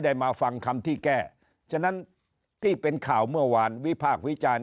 มาฟังคำที่แก้ฉะนั้นที่เป็นข่าวเมื่อวานวิพากษ์วิจารณ์